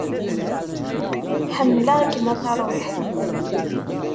Ḥemmleɣ-kem a tarwiḥṭ